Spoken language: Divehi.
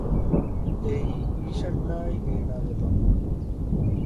އެއީ އީޝަންއާއި އޭނަގެ މަންމަ